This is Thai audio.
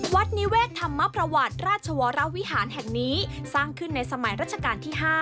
นิเวศธรรมประวัติราชวรวิหารแห่งนี้สร้างขึ้นในสมัยรัชกาลที่๕